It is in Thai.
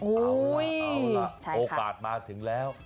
เอาล่ะโอกาสมาถึงแล้ว